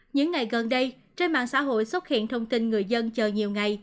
những ngày gần đây trên mạng xã hội xuất hiện thông tin người dân chờ nhiều ngày